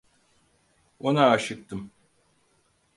Ona aşıktım.